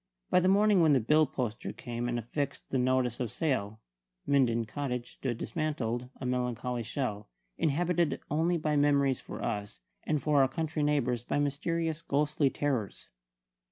By the morning when the bill poster came and affixed the notice of sale, Minden Cottage stood dismantled a melancholy shell, inhabited only by memories for us, and for our country neighbours by mysterious ghostly terrors.